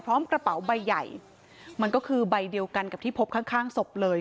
กระเป๋าใบใหญ่มันก็คือใบเดียวกันกับที่พบข้างข้างศพเลย